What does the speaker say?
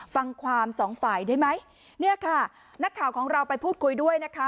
ฟังความสองฝ่ายได้ไหมเนี่ยค่ะนักข่าวของเราไปพูดคุยด้วยนะคะ